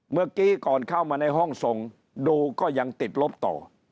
เมื่อกี้ก่อนเข้ามาในห้องส่งดูก็ยังติดลบต่อ